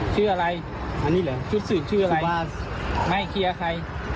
ชื่ออะไรอันนี้เหรอชุดสืบชื่ออะไรไม่เคลียร์ใคร